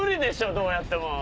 どうやっても。